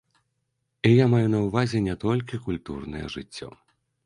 І я маю на ўвазе не толькі культурнае жыццё.